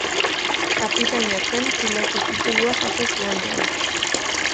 Kapitaina zen pilotu titulua jaso zuenean.